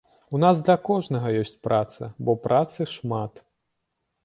У нас для кожнага ёсць праца, бо працы шмат.